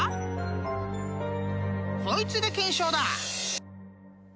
［こいつで検証だ！］